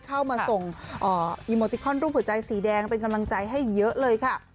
เข้ามาส่งอีโมติคอนรูปหัวใจสีแดงเป็นกำลังใจให้เยอะเลยค่ะ